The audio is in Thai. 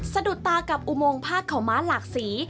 สะดุดตากับอุโมงภาคเขาม้าหลากสี